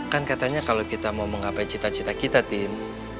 kan katanya kalau kita mau menggapai cita cita kita tim